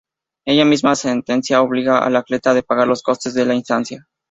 Esta misma sentencia obliga al atleta a pagar los costes de la instancia.